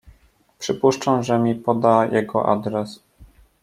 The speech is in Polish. "Przypuszczam, że mi poda jego adres."